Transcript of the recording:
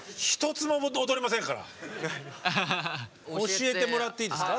教えてもらっていいですか？